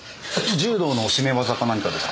柔道の絞め技か何かですか。